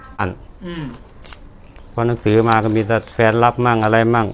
เพราะหนังสือมาก็มีแฟนรับมั่งอะไรมั่ง